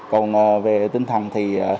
còn về tinh thần thì